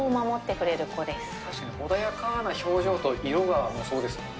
穏やかな表情と、色がそうですもんね。